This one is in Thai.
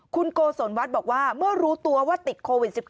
คุณโกศลวัฒน์บอกว่าเมื่อรู้ตัวว่าติดโควิด๑๙